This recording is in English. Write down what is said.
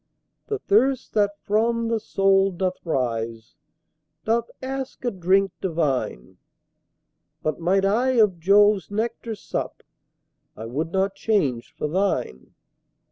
The thirst that from the soul doth rise, Doth ask a drink divine: But might I of Jove's nectar sup, I would not change for thine.